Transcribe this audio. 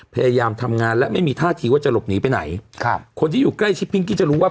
พยายามทำงานและไม่มีท่าทีว่าจะหลบหนีไปไหนครับคนที่อยู่ใกล้ชิดพิงกี้จะรู้ว่า